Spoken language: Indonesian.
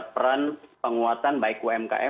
peran penguatan baik umkm